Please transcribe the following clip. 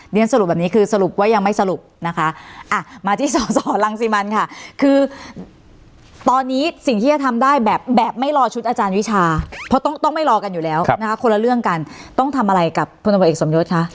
สรุปแบบนี้คือสรุปว่ายังไม่สรุปนะคะอ่ะมาที่สอสอรังสิมันค่ะคือตอนนี้สิ่งที่จะทำได้แบบแบบไม่รอชุดอาจารย์วิชาเพราะต้องไม่รอกันอยู่แล้วนะคะคนละเรื่องกันต้องทำอะไรกับพลตำรวจเอกสมยศคะ